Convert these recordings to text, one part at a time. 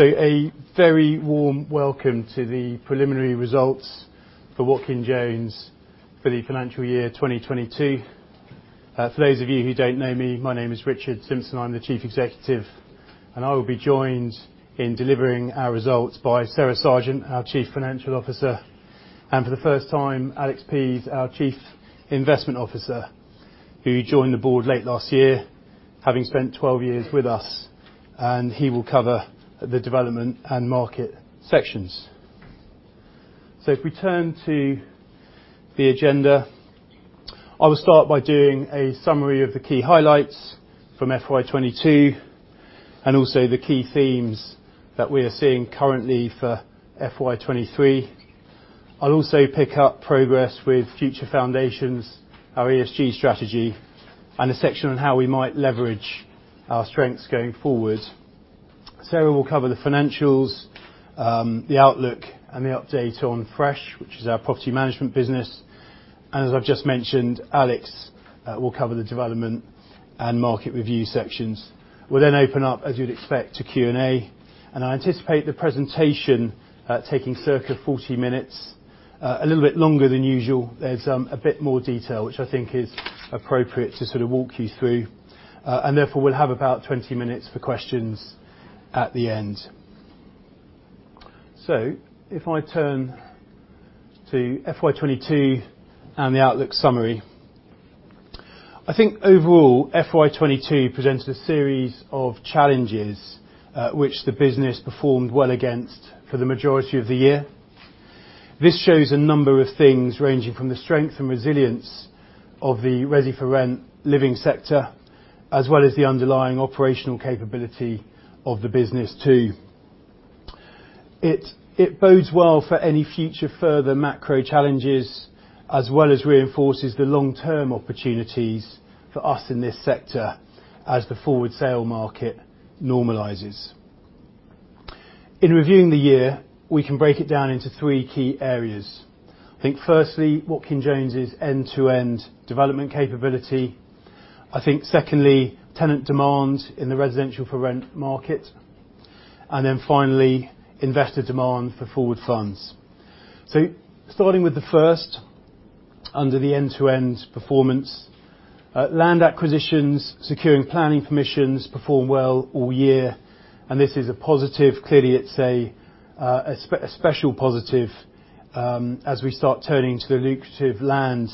A very warm welcome to the preliminary results for Watkin Jones for the FY2022. For those of you who don't know me, my name is Richard Simpson, I'm the Chief Executive, and I will be joined in delivering our results by Sarah Sergeant, our Chief Financial Officer, and for the first time, Alex Pease, our Chief Investment Officer, who joined the board late last year, having spent 12 years with us, and he will cover the development and market sections. If we turn to the agenda, I will start by doing a summary of the key highlights from FY2022, and also the key themes that we are seeing currently for FY2023. I'll also pick up progress with Future Foundations, our ESG strategy, and a section on how I might leverage our strengths going forward. Sarah will cover the financials, the outlook, and the update on Fresh, which is our property management business. As I've just mentioned, Alex, will cover the development and market review sections. We'll then open up, as you'd expect, to Q&A, and I anticipate the presentation taking circa 40 minutes. A little bit longer than usual. There's a bit more detail, which I think is appropriate to sort of walk you through. Therefore, we'll have about 20 minutes for questions at the end. If I turn to FY2022 and the outlook summary. I think overall, FY2022 presented a series of challenges, which the business performed well against for the majority of the year. This shows a number of things, ranging from the strength and resilience of the ready-for-rent living sector, as well as the underlying operational capability of the business too. It bodes well for any future further macro challenges, as well as reinforces the long-term opportunities for us in this sector as the forward sale market normalizes. In reviewing the year, we can break it down into three key areas. I think firstly, Watkin Jones' end-to-end development capability. I think secondly, tenant demand in the residential-for-rent market. Finally, investor demand for forward funds. Starting with the first, under the end-to-end performance. Land acquisitions, securing planning permissions performed well all year, and this is a positive. Clearly, it's a special positive as we start turning to the lucrative land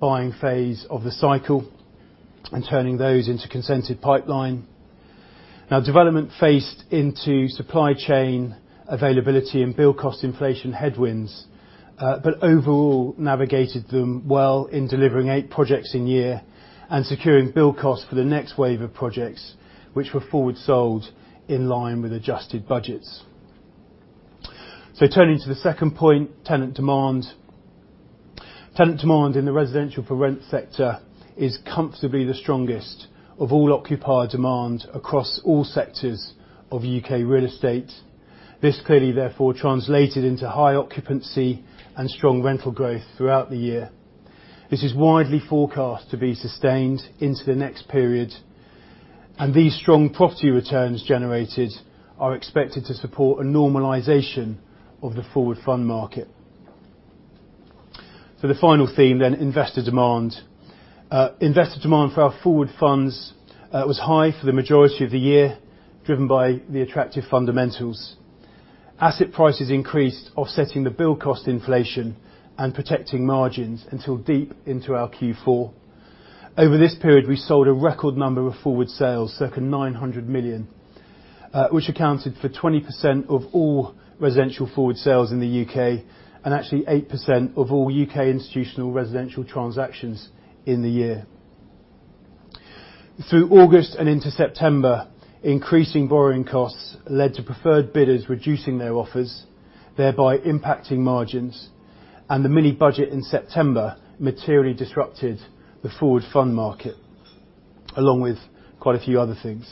buying phase of the cycle and turning those into consented pipeline. Development faced into supply chain availability and build cost inflation headwinds, but overall navigated them well in delivering eight projects in year and securing build cost for the next wave of projects, which were forward sold in line with adjusted budgets. Turning to the second point, tenant demand. Tenant demand in the residential-for-rent sector is comfortably the strongest of all occupier demand across all sectors of U.K. real estate. This clearly, therefore, translated into high occupancy and strong rental growth throughout the year. This is widely forecast to be sustained into the next period, and these strong property returns generated are expected to support a normalization of the forward fund market. The final theme, investor demand. Investor demand for our forward funds was high for the majority of the year, driven by the attractive fundamentals. Asset prices increased, offsetting the build cost inflation and protecting margins until deep into our Q4. Over this period, we sold a record number of forward sales, circa 900 million, which accounted for 20% of all residential forward sales in the U.K. and actually 8% of all U.K. institutional residential transactions in the year. Through August and into September, increasing borrowing costs led to preferred bidders reducing their offers, thereby impacting margins. The mini budget in September materially disrupted the forward fund market along with quite a few other things,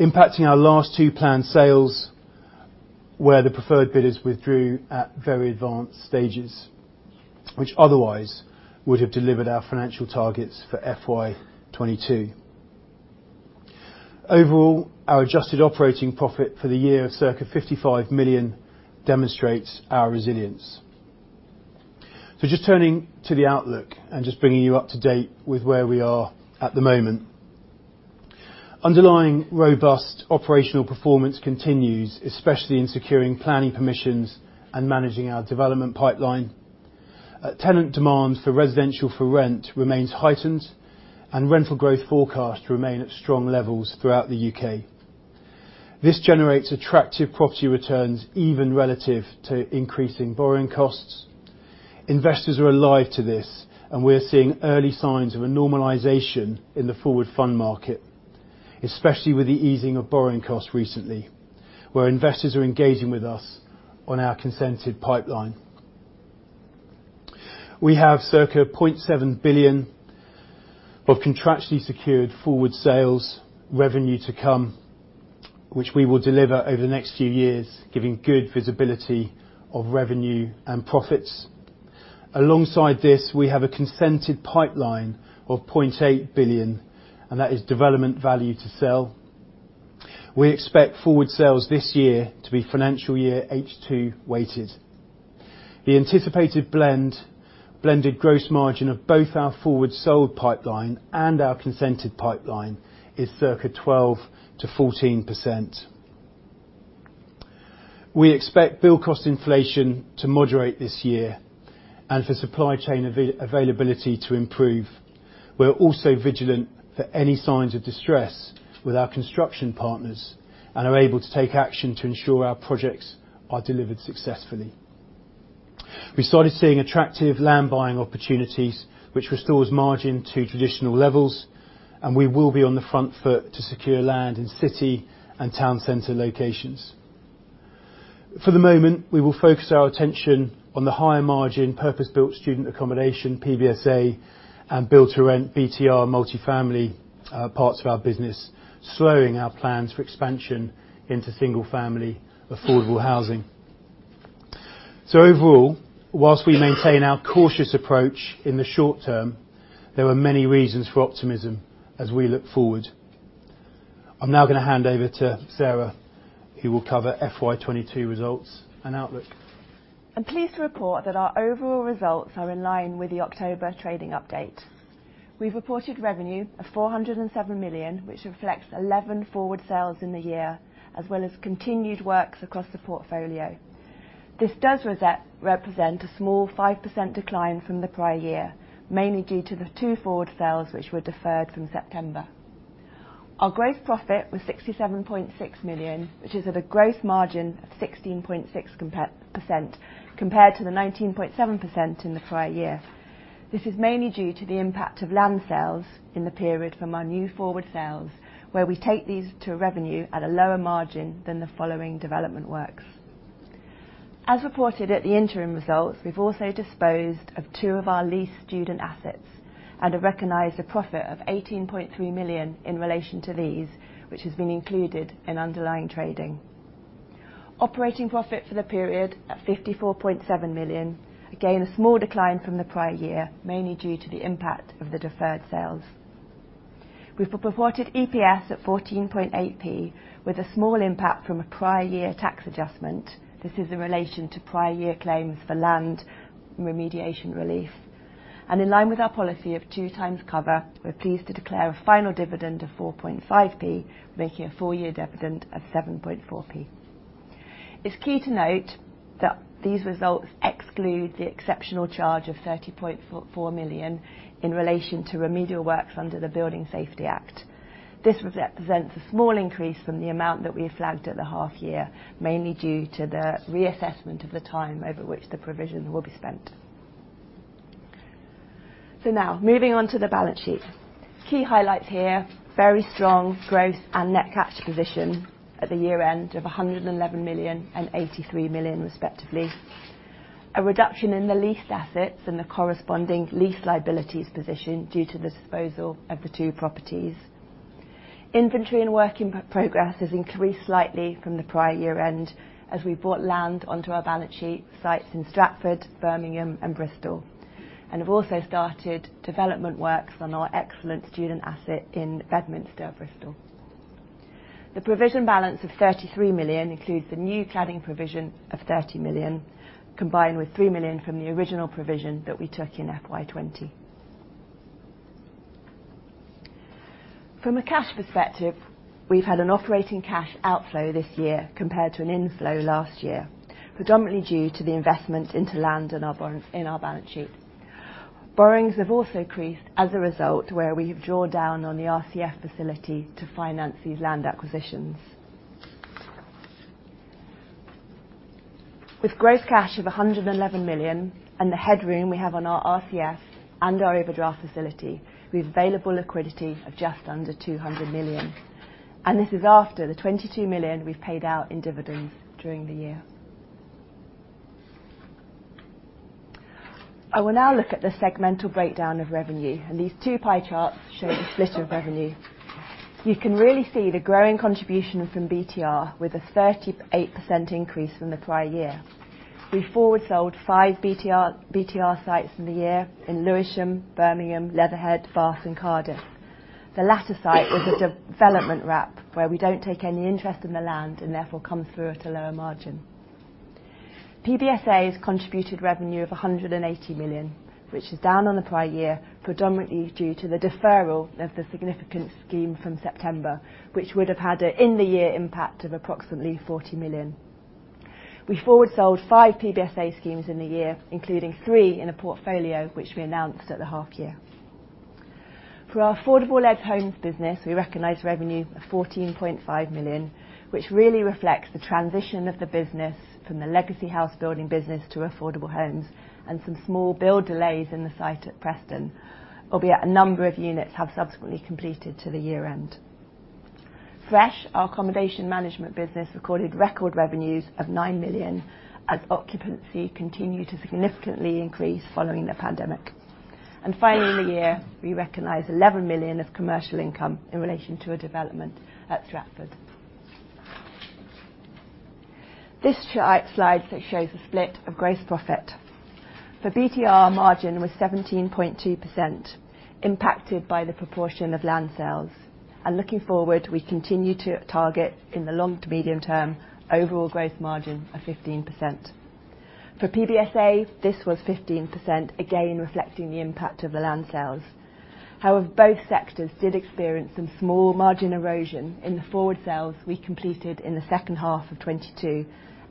impacting our last two planned sales where the preferred bidders withdrew at very advanced stages, which otherwise would have delivered our financial targets for FY2022. Overall, our adjusted operating profit for the year of circa 55 million demonstrates our resilience. Just turning to the outlook and just bringing you up to date with where we are at the moment. Underlying robust operational performance continues, especially in securing planning permissions and managing our development pipeline. Tenant demand for residential-for-rent remains heightened, and rental growth forecasts remain at strong levels throughout the U.K. This generates attractive property returns even relative to increasing borrowing costs. Investors are alive to this, and we're seeing early signs of a normalization in the forward fund market, especially with the easing of borrowing costs recently, where investors are engaging with us on our consented pipeline. We have circa 0.7 billion of contractually secured forward sales revenue to come, which we will deliver over the next few years, giving good visibility of revenue and profits. Alongside this, we have a consented pipeline of 0.8 billion, and that is development value to sell. We expect forward sales this year to be financial year H2 weighted. The anticipated blend, blended gross margin of both our forward sold pipeline and our consented pipeline is circa 12%-14%. We expect build cost inflation to moderate this year and for supply chain availability to improve. We're also vigilant for any signs of distress with our construction partners and are able to take action to ensure our projects are delivered successfully. We started seeing attractive land buying opportunities which restores margin to traditional levels. We will be on the front foot to secure land in city and town center locations. For the moment, we will focus our attention on the higher margin purpose-built student accommodation, PBSA, and build to rent, BTR, multi-family parts of our business, slowing our plans for expansion into single-family affordable housing. Overall, whilst we maintain our cautious approach in the short term, there are many reasons for optimism as we look forward. I'm now gonna hand over to Sarah, who will cover FY2022 results and outlook. I'm pleased to report that our overall results are in line with the October trading update. We've reported revenue of 407 million, which reflects 11 forward sales in the year, as well as continued works across the portfolio. This does represent a small 5% decline from the prior year, mainly due to the two forward sales which were deferred from September. Our gross profit was 67.6 million, which is at a gross margin of 16.6% compared to the 19.7% in the prior year. This is mainly due to the impact of land sales in the period from our new forward sales, where we take these to revenue at a lower margin than the following development works. As reported at the interim results, we've also disposed of two of our lease student assets and have recognized a profit of 18.3 million in relation to these, which has been included in underlying trading. Operating profit for the period at 54.7 million, again, a small decline from the prior year, mainly due to the impact of the deferred sales. We've reported EPS at 0.148, with a small impact from a prior year tax adjustment. This is in relation to prior year claims for Land Remediation Relief. In line with our policy of two times cover, we're pleased to declare a final dividend of 0.045, making a four-year dividend of 0.074. It's key to note that these results exclude the exceptional charge of 30.44 million in relation to remedial works under the Building Safety Act. This represents a small increase from the amount that we flagged at the half year, mainly due to the reassessment of the time over which the provision will be spent. Now moving on to the balance sheet. Key highlights here, very strong growth and net cash position at the year-end of 111 million and 83 million, respectively. A reduction in the lease assets and the corresponding lease liabilities position due to the disposal of the two properties. Inventory and work in progress has increased slightly from the prior year-end as we bought land onto our balance sheet sites in Stratford, Birmingham and Bristol, and have also started development works on our excellent student asset in Bedminster, Bristol. The provision balance of 33 million includes the new cladding provision of 30 million, combined with 3 million from the original provision that we took in FY2020. From a cash perspective, we've had an operating cash outflow this year compared to an inflow last year, predominantly due to the investment into land in our balance sheet. Borrowings have also increased as a result where we have drawn down on the RCF facility to finance these land acquisitions. With gross cash of 111 million and the headroom we have on our RCF and our overdraft facility, we have available liquidity of just under 200 million, and this is after the 22 million we've paid out in dividends during the year. I will now look at the segmental breakdown of revenue, these two pie charts show the split of revenue. You can really see the growing contribution from BTR with a 38% increase from the prior year. We forward sold five BTR sites in the year in Lewisham, Birmingham, Leatherhead, Bath and Cardiff. The latter site was a development wrap where we don't take any interest in the land and therefore come through at a lower margin. PBSA has contributed revenue of 180 million, which is down on the prior year, predominantly due to the deferral of the significant scheme from September, which would have had a in the year impact of approximately 40 million. We forward sold five PBSA schemes in the year, including three in a portfolio which we announced at the half year. For our affordable-led homes business, we recognized revenue of 14.5 million, which really reflects the transition of the business from the legacy house building business to affordable homes and some small build delays in the site at Preston, albeit a number of units have subsequently completed to the year-end. Fresh, our accommodation management business, recorded record revenues of 9 million as occupancy continued to significantly increase following the pandemic. Finally in the year, we recognized 11 million of commercial income in relation to a development at Stratford. This slide shows a split of gross profit. The BTR margin was 17.2%, impacted by the proportion of land sales. Looking forward, we continue to target in the long to medium term overall growth margin of 15%. For PBSA, this was 15%, again, reflecting the impact of the land sales. Both sectors did experience some small margin erosion in the forward sales we completed in the second half of 2022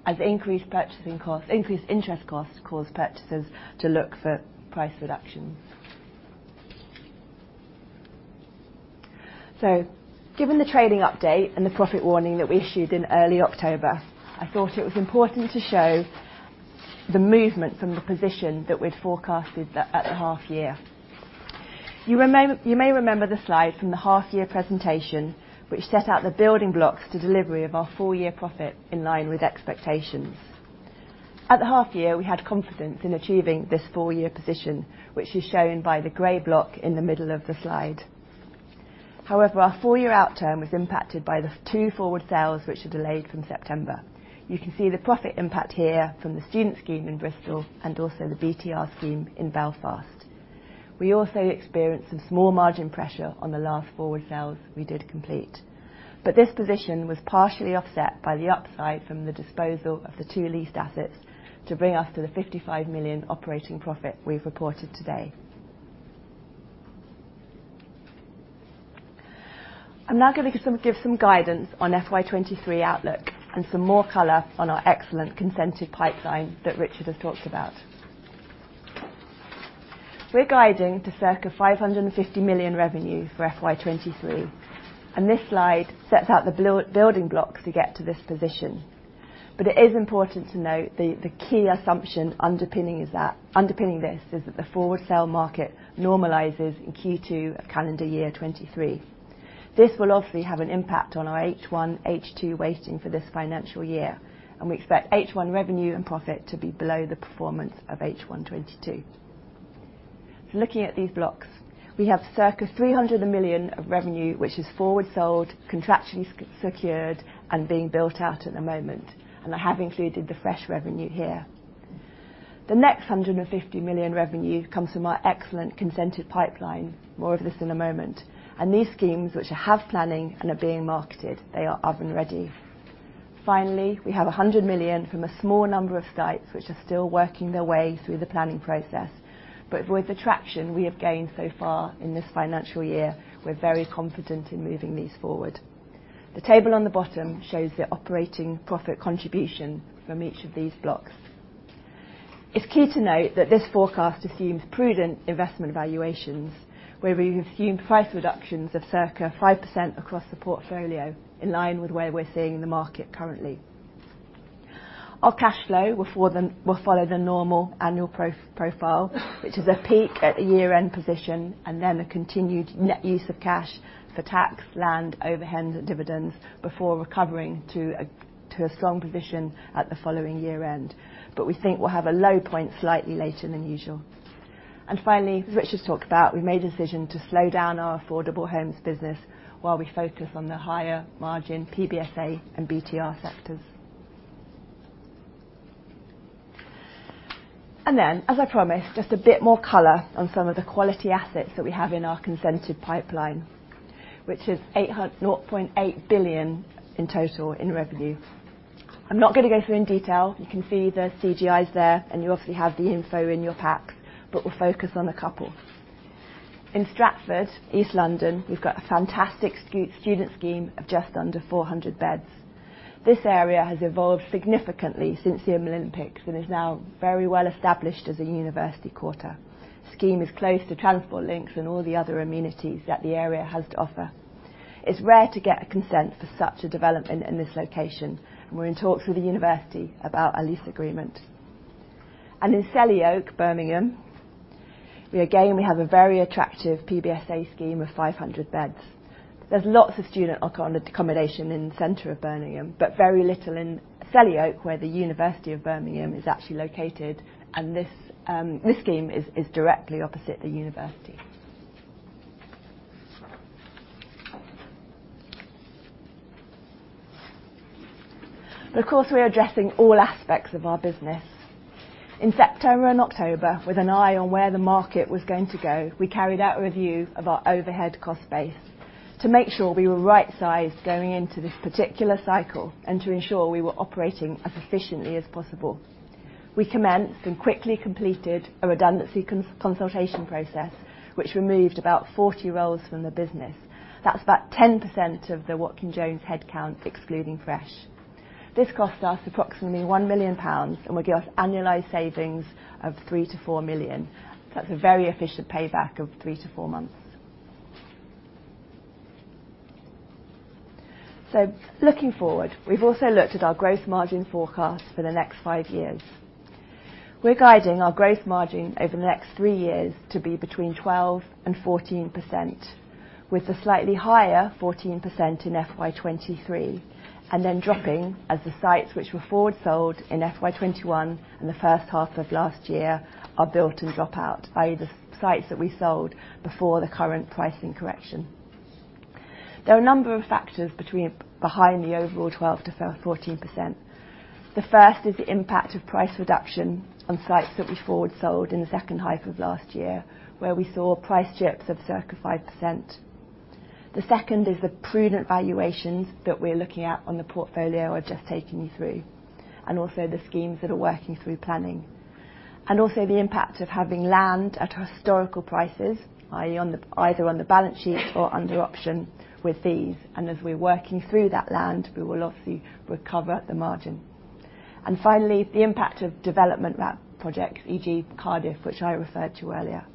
as increased purchasing costs, increased interest costs caused purchasers to look for price reductions. Given the trading update and the profit warning that we issued in early October, I thought it was important to show the movement from the position that we'd forecasted at the half year. You may remember the slide from the half year presentation, which set out the building blocks to delivery of our full-year profit in line with expectations. At the half year, we had confidence in achieving this full-year position, which is shown by the gray block in the middle of the slide. Our full-year outcome was impacted by the two forward sales which are delayed from September. You can see the profit impact here from the student scheme in Bristol and also the BTR scheme in Belfast. We also experienced some small margin pressure on the last forward sales we did complete. This position was partially offset by the upside from the disposal of the two leased assets to bring us to the 55 million operating profit we've reported today. I'm now gonna give some guidance on FY2023 outlook and some more color on our excellent consented pipeline that Richard has talked about. We're guiding to circa 550 million revenue for FY2023. This slide sets out the building blocks to get to this position. It is important to note the key assumption underpinning this is that the forward sale market normalizes in Q2 of calendar year 2023. This will obviously have an impact on our H1, H2 weighting for this financial year, and we expect H1 revenue and profit to be below the performance of H1 22. Looking at these blocks, we have circa 300 million of revenue which is forward sold, contractually secured, and being built out at the moment, and I have included the Fresh revenue here. The next 150 million revenue comes from our excellent consented pipeline. More of this in a moment. These schemes, which have planning and are being marketed, they are oven-ready. Finally, we have 100 million from a small number of sites which are still working their way through the planning process. With the traction we have gained so far in this financial year, we're very confident in moving these forward. The table on the bottom shows the operating profit contribution from each of these blocks. It's key to note that this forecast assumes prudent investment valuations, where we've assumed price reductions of circa 5% across the portfolio, in line with where we're seeing the market currently. Our cash flow will follow the normal annual profile, which is a peak at year-end position, and then a continued net use of cash for tax, land, overheads, and dividends before recovering to a strong position at the following year-end. We think we'll have a low point slightly later than usual. Finally, as Richard's talked about, we made a decision to slow down our affordable homes business while we focus on the higher margin PBSA and BTR sectors. As I promised, just a bit more color on some of the quality assets that we have in our consented pipeline, which is 0.8 billion in total in revenue. I'm not gonna go through in detail. You can see the CGIs there, and you obviously have the info in your pack, but we'll focus on a couple. In Stratford, East London, we've got a fantastic student scheme of just under 400 beds. This area has evolved significantly since the Olympics and is now very well established as a university quarter. Scheme is close to transport links and all the other amenities that the area has to offer. It's rare to get a consent for such a development in this location. We're in talks with the university about a lease agreement. In Selly Oak, Birmingham, again, we have a very attractive PBSA scheme of 500 beds. There's lots of student accommodation in the center of Birmingham, but very little in Selly Oak, where the University of Birmingham is actually located. This scheme is directly opposite the university. Of course, we are addressing all aspects of our business. In September and October, with an eye on where the market was going to go, we carried out a review of our overhead cost base to make sure we were right-sized going into this particular cycle and to ensure we were operating as efficiently as possible. We commenced and quickly completed a redundancy consultation process, which removed about 40 roles from the business. That's about 10% of the Watkin Jones headcount, excluding Fresh. This cost us approximately 1 million pounds and will give us annualized savings of 3 million-4 million. That's a very efficient payback of 3-4 months. Looking forward, we've also looked at our growth margin forecast for the next five years. We're guiding our growth margin over the next three years to be between 12% and 14%, with a slightly higher 14% in FY2023, and then dropping as the sites which were forward sold in FY2021 and the first half of last year are built and drop out, i.e., the sites that we sold before the current pricing correction. There are a number of factors behind the overall 12% to 14%. The first is the impact of price reduction on sites that we forward sold in the second half of last year, where we saw price drips of circa 5%. The second is the prudent valuations that we're looking at on the portfolio I've just taken you through, and also the schemes that are working through planning. Also the impact of having land at historical prices, i.e., either on the balance sheet or under option with these. As we're working through that land, we will obviously recover the margin. Finally, the impact of development wrap projects, e.g., Cardiff, which I referred to earlier.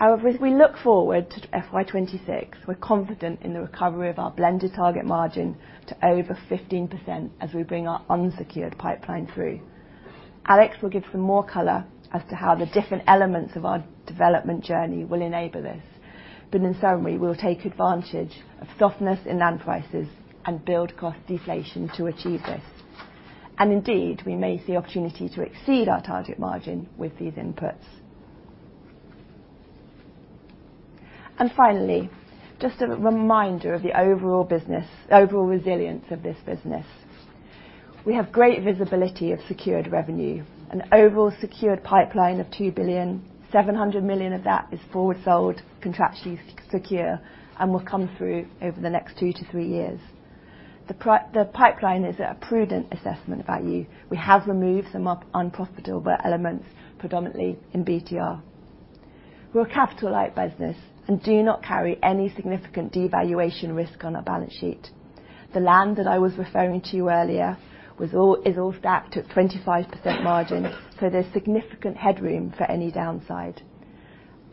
However, as we look forward to FY2026, we're confident in the recovery of our blended target margin to over 15% as we bring our unsecured pipeline through. Alex will give some more color as to how the different elements of our development journey will enable this. In summary, we'll take advantage of softness in land prices and build cost deflation to achieve this. Indeed, we may see opportunity to exceed our target margin with these inputs. Finally, just a reminder of the overall business, overall resilience of this business. We have great visibility of secured revenue, an overall secured pipeline of 2 billion, 700 million of that is forward sold, contractually secure, and will come through over the next 2-3 years. The pipeline is a prudent assessment value. We have removed some unprofitable elements, predominantly in BTR. We're a capital-light business and do not carry any significant devaluation risk on our balance sheet. The land that I was referring to earlier is all stacked at 25% margin, so there's significant headroom for any downside.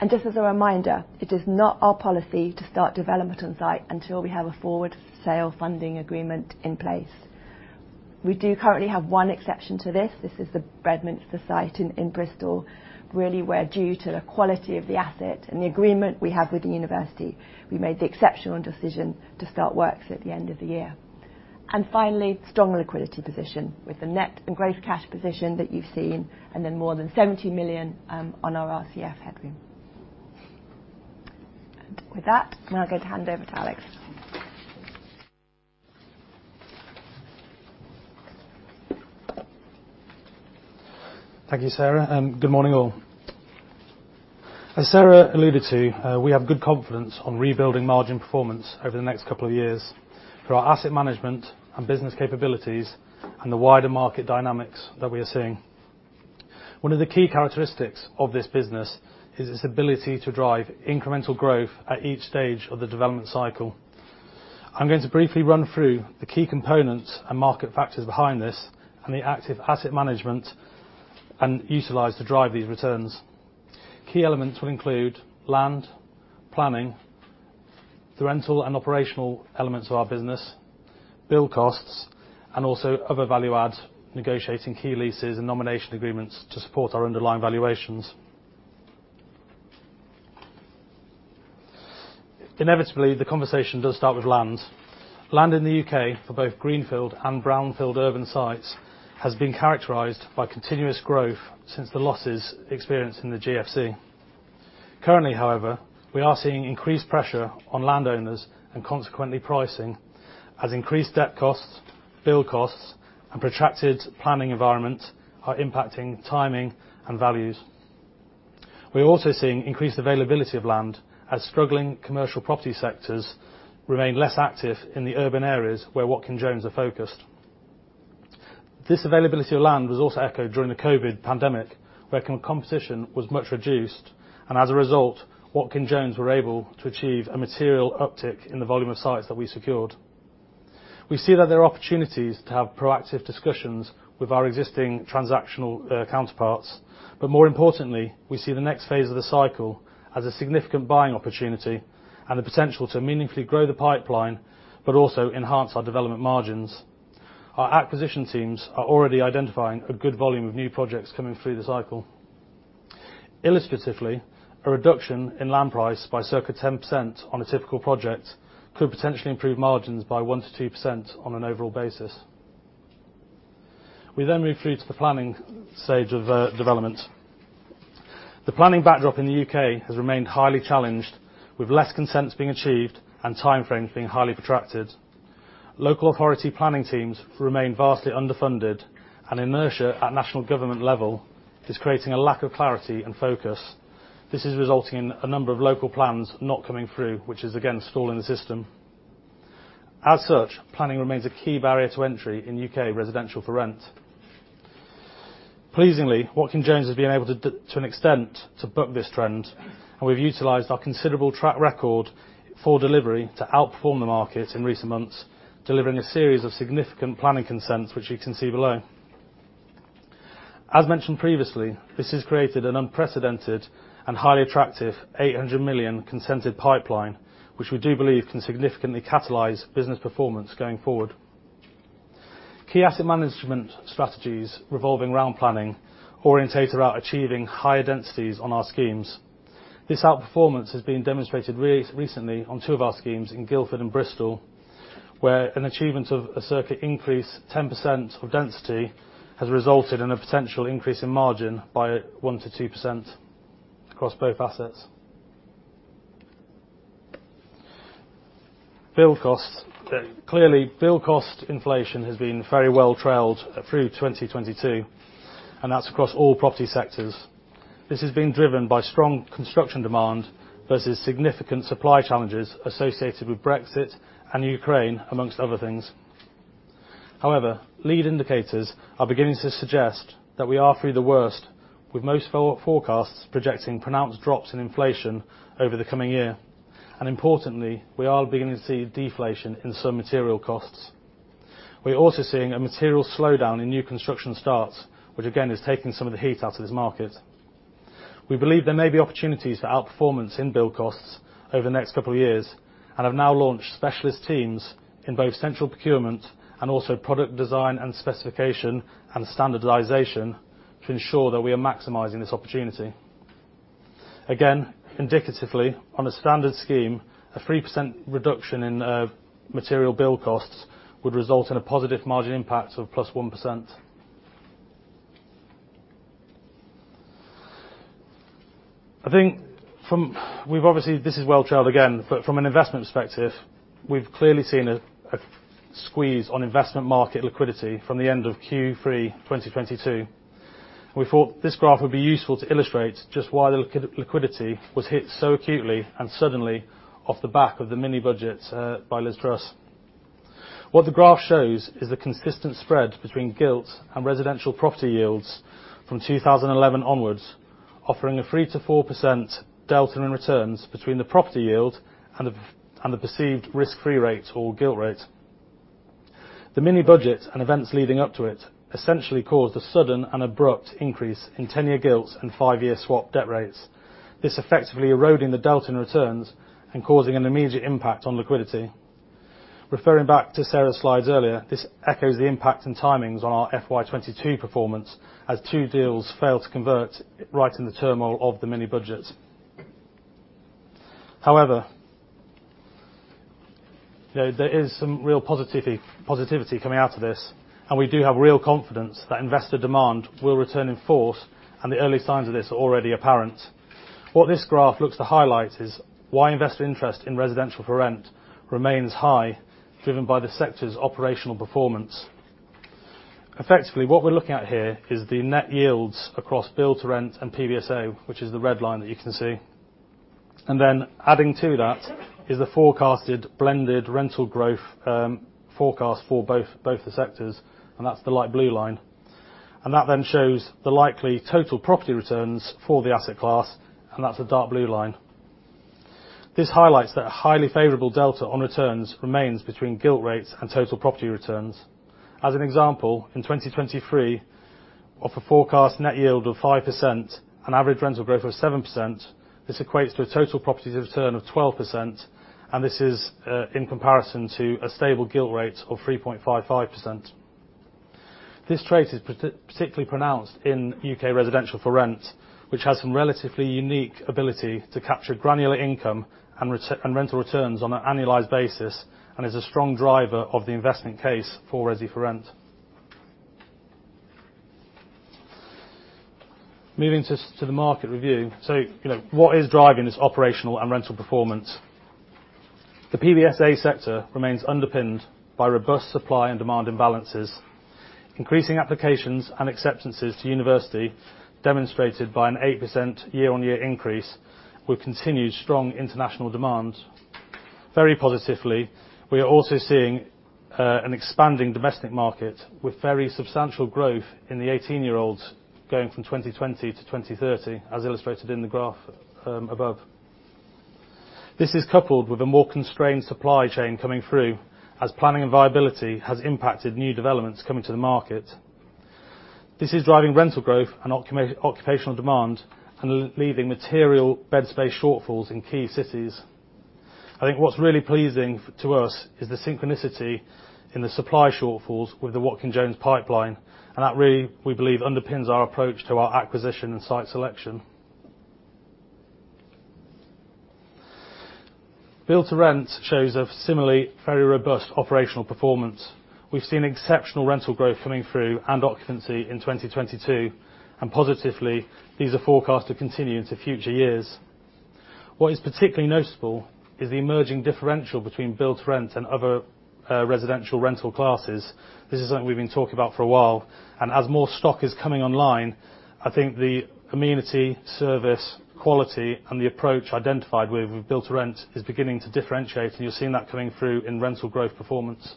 Just as a reminder, it is not our policy to start development on site until we have a forward sale funding agreement in place. We do currently have one exception to this. This is the Bedminster site in Bristol, really where due to the quality of the asset and the agreement we have with the university, we made the exceptional decision to start works at the end of the year. Finally, strong liquidity position with the net and gross cash position that you've seen, more than 70 million on our RCF headroom. With that, I'm now going to hand over to Alex. Thank you, Sarah. Good morning all. As Sarah alluded to, we have good confidence on rebuilding margin performance over the next two years through our asset management and business capabilities and the wider market dynamics that we are seeing. One of the key characteristics of this business is its ability to drive incremental growth at each stage of the development cycle. I'm going to briefly run through the key components and market factors behind this and the active asset management and utilize to drive these returns. Key elements will include land, planning, the rental and operational elements of our business, build costs, and also other value adds, negotiating key leases and nomination agreements to support our underlying valuations. Inevitably, the conversation does start with land. Land in the U.K. for both greenfield and brownfield urban sites has been characterized by continuous growth since the losses experienced in the GFC. Currently, however, we are seeing increased pressure on landowners and consequently pricing as increased debt costs, build costs, and protracted planning environment are impacting timing and values. We're also seeing increased availability of land as struggling commercial property sectors remain less active in the urban areas where Watkin Jones are focused. This availability of land was also echoed during the COVID pandemic, where competition was much reduced, and as a result, Watkin Jones were able to achieve a material uptick in the volume of sites that we secured. We see that there are opportunities to have proactive discussions with our existing transactional counterparts, but more importantly, we see the next phase of the cycle as a significant buying opportunity and the potential to meaningfully grow the pipeline, but also enhance our development margins. Our acquisition teams are already identifying a good volume of new projects coming through the cycle. Illustratively, a reduction in land price by circa 10% on a typical project could potentially improve margins by 1%-2% on an overall basis. We move through to the planning stage of development. The planning backdrop in the U.K. has remained highly challenged, with less consents being achieved and time frames being highly protracted. Local authority planning teams remain vastly underfunded, and inertia at national government level is creating a lack of clarity and focus. This is resulting in a number of local plans not coming through, which is again stalling the system. As such, planning remains a key barrier to entry in U.K. residential for rent. Pleasingly, Watkin Jones has been able to to an extent, to buck this trend. We've utilized our considerable track record for delivery to outperform the market in recent months, delivering a series of significant planning consents, which you can see below. As mentioned previously, this has created an unprecedented and highly attractive 800 million consented pipeline, which we do believe can significantly catalyze business performance going forward. Key asset management strategies revolving around planning orientate around achieving higher densities on our schemes. This outperformance has been demonstrated recently on two of our schemes in Guildford and Bristol. Where an achievement of a circuit increase 10% of density has resulted in a potential increase in margin by 1%-2% across both assets. Build cost. Clearly, build cost inflation has been very well trailed through 2022, and that's across all property sectors. This has been driven by strong construction demand versus significant supply challenges associated with Brexit and Ukraine, amongst other things. However, lead indicators are beginning to suggest that we are through the worst, with most forecasts projecting pronounced drops in inflation over the coming year. Importantly, we are beginning to see deflation in some material costs. We are also seeing a material slowdown in new construction starts, which again, is taking some of the heat out of this market. We believe there may be opportunities for outperformance in build costs over the next couple of years, and have now launched specialist teams in both central procurement and also product design and specification and standardization to ensure that we are maximizing this opportunity. Again, indicatively, on a standard scheme, a 3% reduction in material build costs would result in a positive margin impact of +1%. This is well trailed again, but from an investment perspective, we've clearly seen a squeeze on investment market liquidity from the end of Q3 2022. We thought this graph would be useful to illustrate just why the liquidity was hit so acutely and suddenly off the back of the mini budget by Liz Truss. What the graph shows is the consistent spread between gilt and residential property yields from 2011 onwards, offering a 3%-4% delta in returns between the property yield and the perceived risk-free rate or gilt rate. The mini budget and events leading up to it essentially caused a sudden and abrupt increase in 10-year gilts and five year swap debt rates. This effectively eroding the delta in returns and causing an immediate impact on liquidity. Referring back to Sarah's slides earlier, this echoes the impact and timings on our FY2022 performance as two deals failed to convert right in the turmoil of the mini budget. However, you know, there is some real positivity coming out of this, and we do have real confidence that investor demand will return in force, and the early signs of this are already apparent. What this graph looks to highlight is why investor interest in residential for rent remains high, driven by the sector's operational performance. Effectively, what we're looking at here is the net yields across build to rent and PBSA, which is the red line that you can see. And then adding to that is the forecasted blended rental growth forecast for both the sectors, and that's the light blue line. That then shows the likely total property returns for the asset class, and that's the dark blue line. This highlights that a highly favorable delta on returns remains between gilt rates and total property returns. As an example, in 2023, of a forecast net yield of 5% and average rental growth of 7%, this equates to a total property return of 12%, and this is in comparison to a stable gilt rate of 3.55%. This trait is particularly pronounced in U.K. residential for rent, which has some relatively unique ability to capture granular income and rental returns on an annualized basis, and is a strong driver of the investment case for resi for rent. Moving to the market review. You know, what is driving this operational and rental performance? The PBSA sector remains underpinned by robust supply and demand imbalances. Increasing applications and acceptances to university demonstrated by an 8% year-on-year increase, with continued strong international demand. Very positively, we are also seeing an expanding domestic market with very substantial growth in the 18-year-olds going from 2020-2030, as illustrated in the graph above. This is coupled with a more constrained supply chain coming through as planning and viability has impacted new developments coming to the market. This is driving rental growth and occupational demand and leaving material bed space shortfalls in key cities. I think what's really pleasing to us is the synchronicity in the supply shortfalls with the Watkin Jones pipeline. That really, we believe, underpins our approach to our acquisition and site selection. Build to rent shows a similarly very robust operational performance. We've seen exceptional rental growth coming through and occupancy in 2022. Positively, these are forecast to continue into future years. What is particularly noticeable is the emerging differential between build to rent and other residential rental classes. This is something we've been talking about for a while, and as more stock is coming online, I think the amenity, service, quality, and the approach identified with build to rent is beginning to differentiate, and you're seeing that coming through in rental growth performance.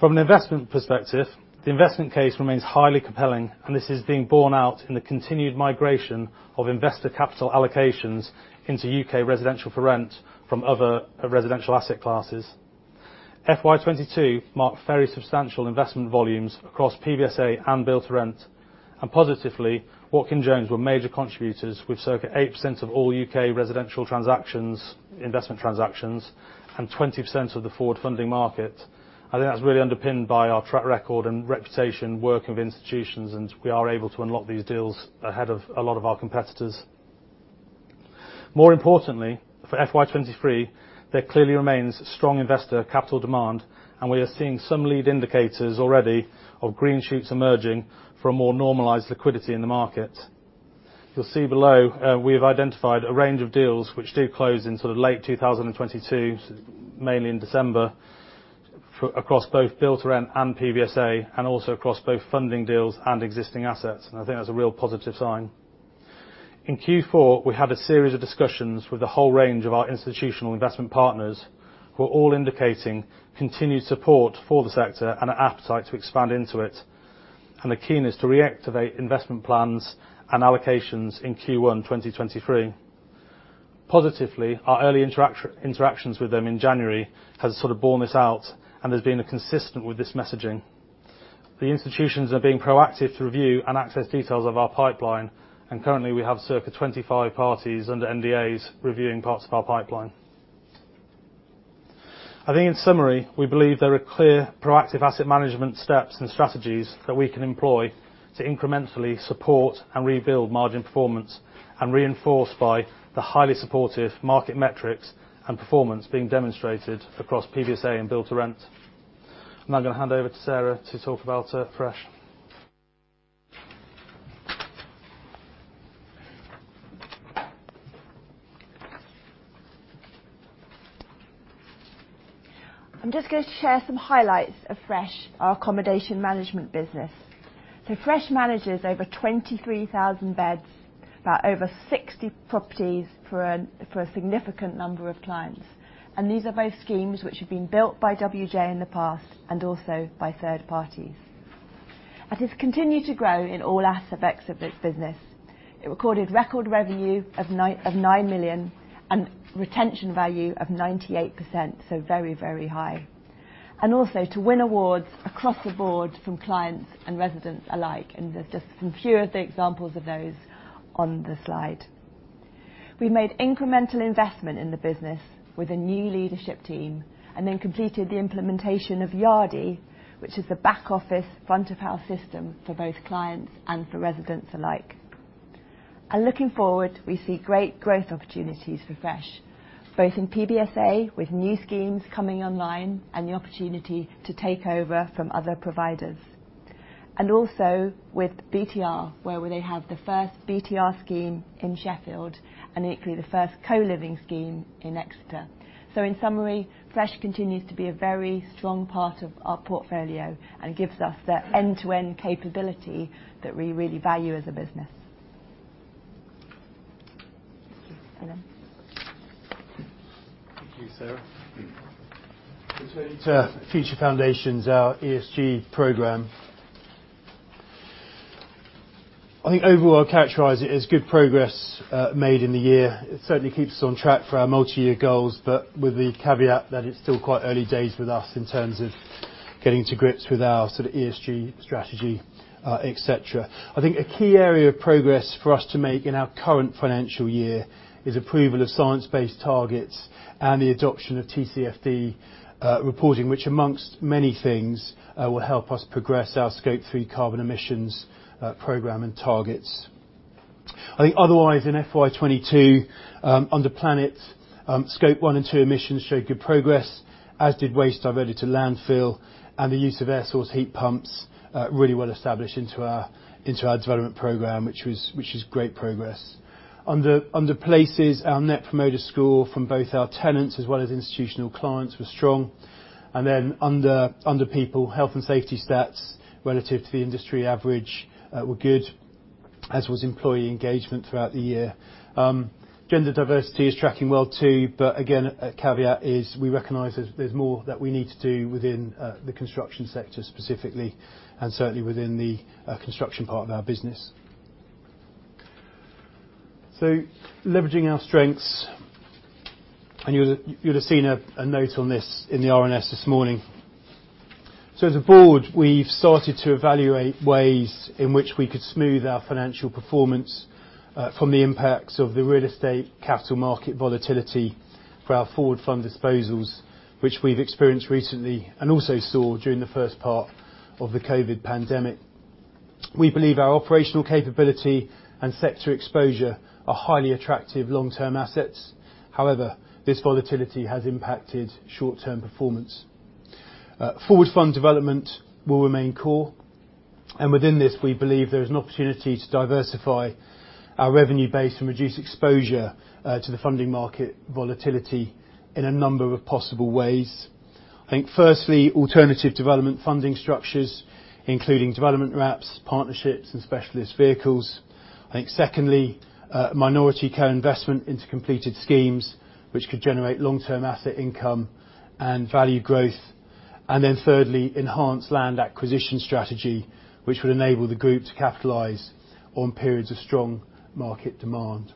From an investment perspective, the investment case remains highly compelling, and this is being borne out in the continued migration of investor capital allocations into U.K. residential for rent from other residential asset classes. FY2022 marked very substantial investment volumes across PBSA and build to rent, and positively, Watkin Jones were major contributors with circa 8% of all UK residential transactions, investment transactions, and 20% of the forward funding market. I think that's really underpinned by our track record and reputation working with institutions, and we are able to unlock these deals ahead of a lot of our competitors. More importantly, for FY23, there clearly remains strong investor capital demand. We are seeing some lead indicators already of green shoots emerging for a more normalized liquidity in the market. You'll see below, we have identified a range of deals which do close in sort of late 2022, mainly in December, across both build-to-rent and PBSA, also across both funding deals and existing assets. I think that's a real positive sign. In Q4, we had a series of discussions with a whole range of our institutional investment partners, who are all indicating continued support for the sector and an appetite to expand into it, and are keen is to reactivate investment plans and allocations in Q1 2023. Positively, our early interactions with them in January has sort of borne this out. There's been a consistent with this messaging. The institutions are being proactive to review and access details of our pipeline. Currently we have circa 25 parties under NDAs reviewing parts of our pipeline. I think in summary, we believe there are clear proactive asset management steps and strategies that we can employ to incrementally support and rebuild margin performance, reinforced by the highly supportive market metrics and performance being demonstrated across PBSA and build-to-rent. Now I'm gonna hand over to Sarah to talk about Fresh. I'm just going to share some highlights of Fresh, our accommodation management business. Fresh manages over 23,000 beds, about over 60 properties for a significant number of clients. These are both schemes which have been built by WJ in the past and also by third parties. It has continued to grow in all asset backs of its business. It recorded record revenue of 9 million and retention value of 98%, so very, very high. Also to win awards across the board from clients and residents alike, and there's just some few of the examples of those on the slide. We made incremental investment in the business with a new leadership team, and then completed the implementation of Yardi, which is the back office front-of-house system for both clients and for residents alike. Looking forward, we see great growth opportunities for Fresh, both in PBSA with new schemes coming online and the opportunity to take over from other providers. Also with BTR, where they have the first BTR scheme in Sheffield, and it'll be the first co-living scheme in Exeter. In summary, Fresh continues to be a very strong part of our portfolio and gives us the end-to-end capability that we really value as a business. Thank you. Adam. Thank you, Sarah. Just turning to Future Foundations, our ESG program. I think overall I'd characterize it as good progress made in the year. It certainly keeps us on track for our multi-year goals, but with the caveat that it's still quite early days with us in terms of getting to grips with our sort of ESG strategy, et cetera. I think a key area of progress for us to make in our current financial year is approval of Science-Based Targets and the adoption of TCFD reporting, which amongst many things, will help us progress our Scope 3 carbon emissions program and targets. I think otherwise in FY2022, under planet, Scope 1 and 2 emissions showed good progress, as did waste diverted to landfill, and the use of air source heat pumps really well established into our development program, which is great progress. Under places, our Net Promoter Score from both our tenants as well as institutional clients was strong. Under people, health and safety stats relative to the industry average were good, as was employee engagement throughout the year. Gender diversity is tracking well too, but again, a caveat is we recognize there's more that we need to do within the construction sector specifically, and certainly within the construction part of our business. Leveraging our strengths, you'll have seen a note on this in the RNS this morning. As a board, we've started to evaluate ways in which we could smooth our financial performance from the impacts of the real estate capital market volatility for our forward fund disposals, which we've experienced recently and also saw during the first part of the COVID pandemic. We believe our operational capability and sector exposure are highly attractive long-term assets. However, this volatility has impacted short-term performance. Forward fund development will remain core, and within this, we believe there is an opportunity to diversify our revenue base and reduce exposure to the funding market volatility in a number of possible ways. I think firstly, alternative development funding structures, including development wraps, partnerships and specialist vehicles. I think secondly, minority co-investment into completed schemes which could generate long-term asset income and value growth. Thirdly, enhanced land acquisition strategy, which would enable the group to capitalize on periods of strong market demand.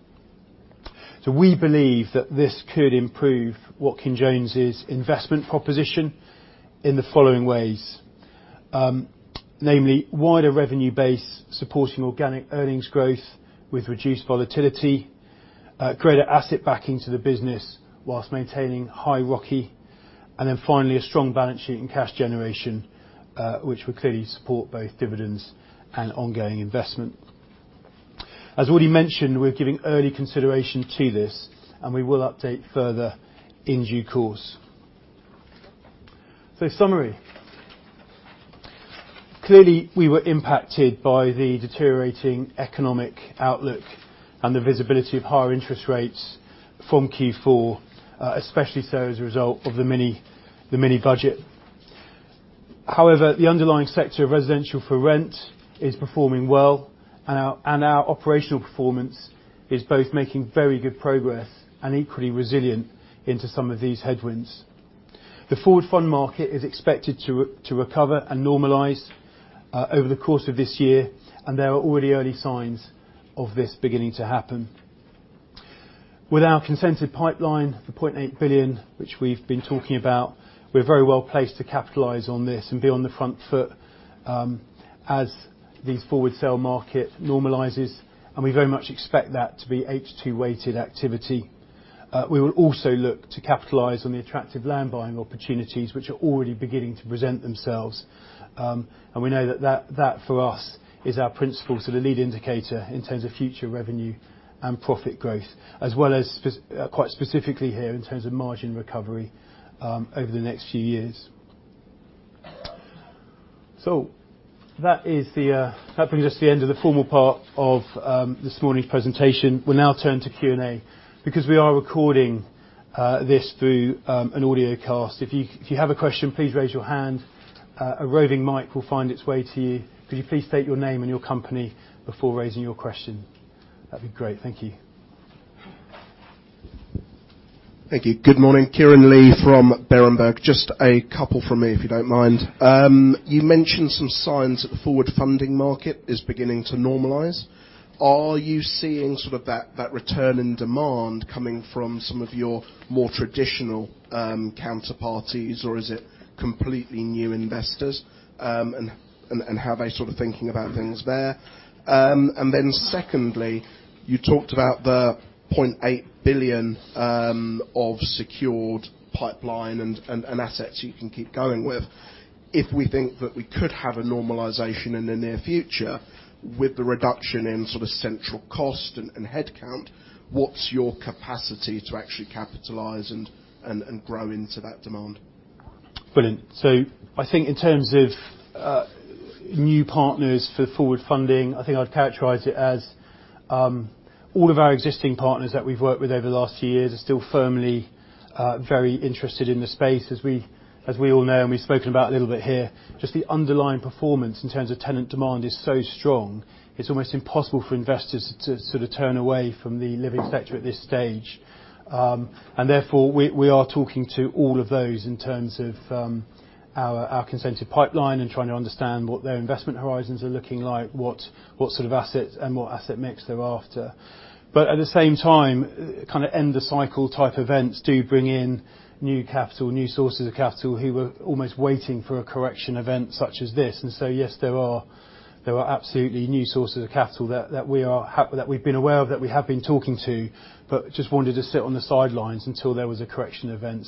We believe that this could improve Watkin Jones' investment proposition in the following ways. Namely, wider revenue base supporting organic earnings growth with reduced volatility, greater asset backing to the business whilst maintaining high ROCE. Finally, a strong balance sheet and cash generation, which will clearly support both dividends and ongoing investment. As already mentioned, we're giving early consideration to this, and we will update further in due course. Summary. Clearly, we were impacted by the deteriorating economic outlook and the visibility of higher interest rates from Q4, especially so as a result of the mini budget. The underlying sector of residential for rent is performing well, and our operational performance is both making very good progress and equally resilient into some of these headwinds. The forward fund market is expected to recover and normalize over the course of this year, and there are already early signs of this beginning to happen. With our consented pipeline, the 0.8 billion, which we've been talking about, we're very well placed to capitalize on this and be on the front foot as the forward sale market normalizes, and we very much expect that to be H2-weighted activity. We will also look to capitalize on the attractive land buying opportunities, which are already beginning to present themselves. We know that that for us is our principle, sort of lead indicator in terms of future revenue and profit growth, as well as quite specifically here in terms of margin recovery over the next few years. That is the that brings us the end of the formal part of this morning's presentation. We'll now turn to Q&A. We are recording this through an audio cast, if you have a question, please raise your hand. A roving mic will find its way to you. Could you please state your name and your company before raising your question? That'd be great. Thank you. Thank you. Good morning. Kieran Lee from Berenberg. Just a couple from me, if you don't mind. You mentioned some signs that the forward funding market is beginning to normalize. Are you seeing sort of that return in demand coming from some of your more traditional counterparties, or is it completely new investors? How are they sort of thinking about things there? Secondly, you talked about the 0.8 billion of secured pipeline and assets you can keep going with. If we think that we could have a normalization in the near future with the reduction in sort of central cost and headcount, what's your capacity to actually capitalize and grow into that demand? Brilliant. I think in terms of, new partners for forward funding, I think I'd characterize it as, all of our existing partners that we've worked with over the last few years are still firmly, very interested in the space. As we all know, and we've spoken about a little bit here, just the underlying performance in terms of tenant demand is so strong, it's almost impossible for investors to, sort of turn away from the living sector at this stage. Therefore, we are talking to all of those in terms of, our consented pipeline and trying to understand what their investment horizons are looking like, what sort of assets and what asset mix they're after. At the same time, kinda end of cycle type events do bring in new capital, new sources of capital, who were almost waiting for a correction event such as this. Yes, there are absolutely new sources of capital that we've been aware of, that we have been talking to, but just wanted to sit on the sidelines until there was a correction event.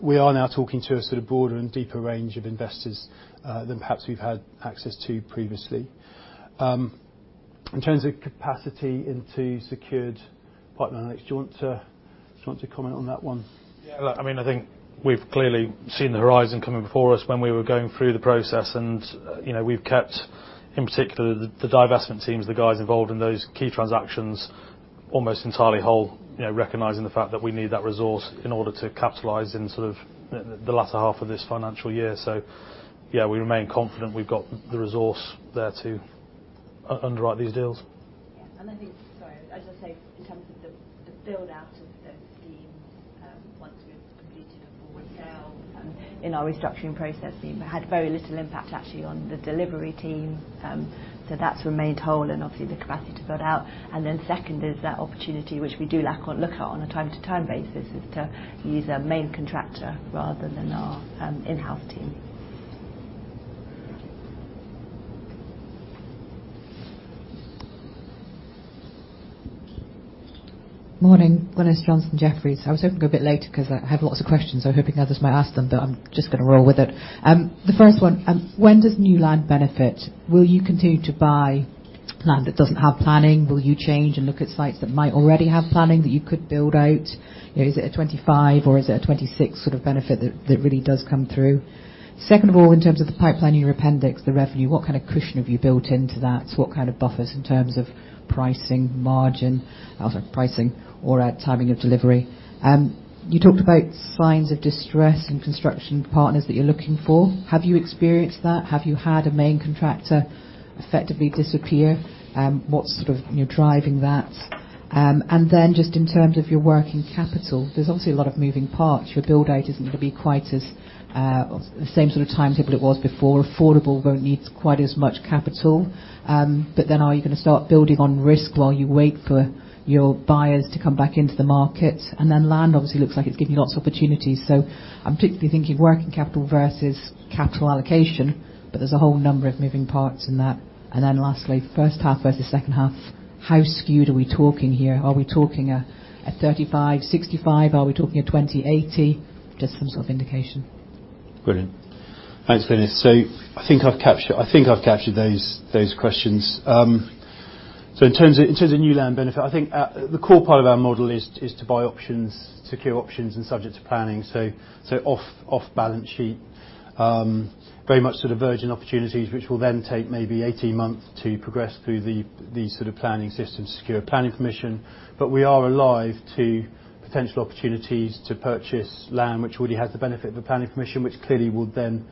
We are now talking to a sort of broader and deeper range of investors than perhaps we've had access to previously. In terms of capacity into secured partner, Alex Pease, do you want to comment on that one? I mean, I think we've clearly seen the horizon coming before us when we were going through the process and, you know, we've kept, in particular, the divestment teams, the guys involved in those key transactions almost entirely whole. You know, recognizing the fact that we need that resource in order to capitalize in sort of the latter half of this financial year. We remain confident we've got the resource there to underwrite these deals. Yeah. As I say, in terms of the build-out of those teams, once we've completed a forward sale, in our restructuring process, it had very little impact actually on the delivery team. That's remained whole and obviously the capacity to build out. Second is that opportunity, which we do look at on a time-to-time basis, is to use a main contractor rather than our in-house team. Morning. Glynis Johnson, Jefferies. I was hoping to go a bit later 'cause I have lots of questions. I was hoping others might ask them, I'm just gonna roll with it. The first one, when does new land benefit? Will you continue to buy land that doesn't have planning? Will you change and look at sites that might already have planning that you could build out? You know, is it a 25 or is it a 26 sort of benefit that really does come through? Second of all, in terms of the pipeline in your appendix, the revenue, what kind of cushion have you built into that? What kind of buffers in terms of pricing, margin, also pricing or timing of delivery? You talked about signs of distress in construction partners that you're looking for. Have you experienced that? Have you had a main contractor effectively disappear? What's sort of, you know, driving that? Just in terms of your working capital, there's obviously a lot of moving parts. Your build out isn't gonna be quite as, same sort of timetable it was before. Affordable won't need quite as much capital. Are you gonna start building on risk while you wait for your buyers to come back into the market? Land obviously looks like it's giving you lots of opportunities. I'm particularly thinking working capital versus capital allocation, but there's a whole number of moving parts in that. Lastly, first half versus second half, how skewed are we talking here? Are we talking a 35, 65? Are we talking a 20, 80? Just some sort of indication. Brilliant. Thanks, Operator. I think I've captured those questions. In terms of new land benefit, I think the core part of our model is to buy options, secure options and subject to planning, so off balance sheet. Very much sort of virgin opportunities, which will then take maybe 18 months to progress through the sort of planning system, secure planning permission. We are alive to potential opportunities to purchase land, which already has the benefit of the planning permission, which clearly would then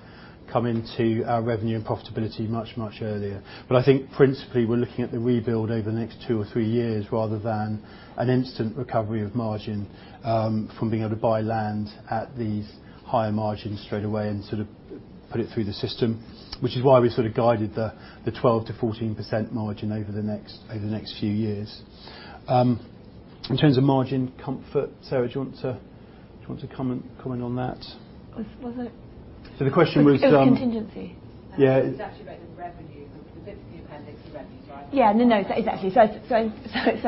come into our revenue and profitability much earlier. I think principally we're looking at the rebuild over the next two or three years rather than an instant recovery of margin, from being able to buy land at these higher margins straightaway and sort of put it through the system, which is why we sort of guided the 12% to 14% margin over the next few years. In terms of margin comfort, Sarah, do you want to comment on that? Was it? The question was. It was contingency. Yeah. It's actually about the revenue. The bits in the appendix are revenue, Yeah. No, exactly.